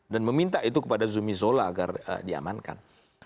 dan meminta itu kepada zumi zola agar diamankan